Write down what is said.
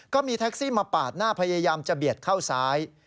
ก็มีแท็กซี่มาปาดหน้าพยายามจะเบียดเข้าซ้าย